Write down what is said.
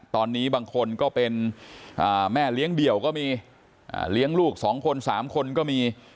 ตอนนี้บางคนก็เป็นแม่เลี้ยงเดี่ยวก็มีเลี้ยงลูก๒คน๓คนก็มี